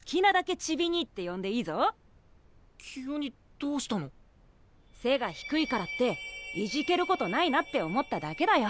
背が低いからっていじけることないなって思っただけだよ。